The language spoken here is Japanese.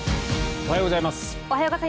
おはようございます。